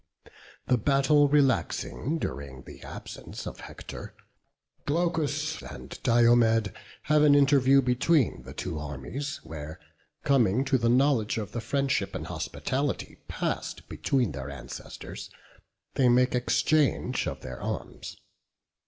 The battle relaxing during the absence of Hector, Glaucus and Diomed have an interview between the two armies; where, coming to the knowledge of the friendship and hospitality past between their ancestors, they make exchange of their arms.